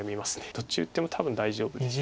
どっち打っても多分大丈夫です。